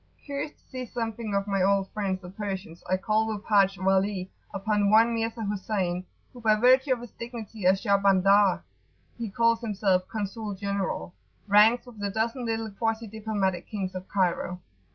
Curious to see something of my old friends the Persians, I called with Haji Wali upon one Mirza Husayn, who by virtue of his dignity as "Shahbandar[FN#25]" (he calls himself "Consul General"), ranks with the dozen little quasi diplomatic kings of Cairo.